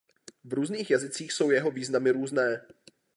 V různých jazycích jsou jeho významy různé.